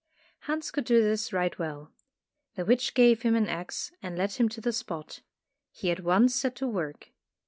Hans could do this right well. The witch gave him an axe and led him to the spot. He at once set to work.